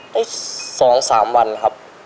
ได้๒๓วันครับ